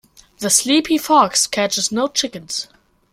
The sleepy fox catches no chickens.